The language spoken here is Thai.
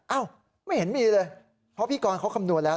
เอ้าไม่เห็นมีเลยเพราะพี่กรเขาคำนวณแล้ว